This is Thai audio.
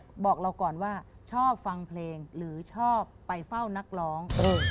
ก็บอกเราก่อนว่าชอบฟังเพลงหรือชอบไปเฝ้านักร้อง